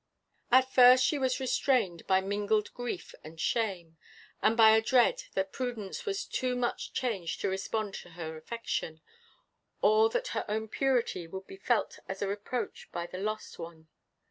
At first she was restrained by mingled grief and shame, and by a dread that Prudence was too much changed to respond to her affection, or that her own purity would be felt as a reproach by the lost one.